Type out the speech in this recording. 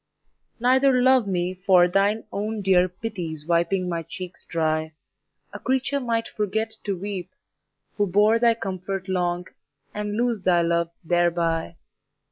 Neither love me for Thine own dear pity's wiping my cheeks dry,— A creature might forget to weep, who bore Thy comfort long, and lose thy love thereby!